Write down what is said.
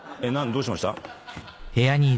どうしました？